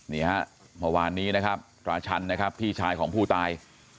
นี่ฮะเมื่อวานนี้นะครับราชันนะครับพี่ชายของผู้ตาย